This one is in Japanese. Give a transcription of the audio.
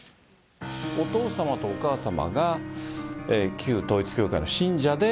お父様とお母様が旧統一教会の信者で。